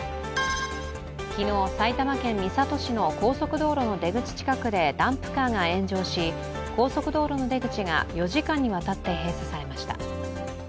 昨日、埼玉県三郷市の高速道路の出口近くでダンプカーが炎上し、高速道路の出口が４時間にわたって閉鎖されました。